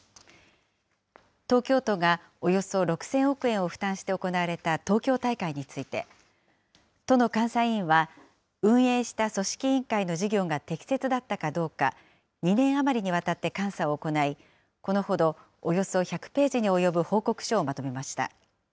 東京都がおよそ６０００億円を負担して行われた東京大会について、都の監査委員は運営した組織委員会の事業が適切だったかどうか、２年余りにわたって監査を行い、このほど、およそ１００ページに及ぶ報告書をまとめました。